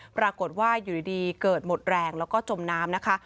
ปรากฏว่าอยู่ดีเกิดหมดแรงแล้วก็จมน้ำนะคะ